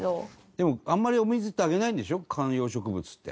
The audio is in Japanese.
でもあんまりお水ってあげないんでしょ観葉植物って。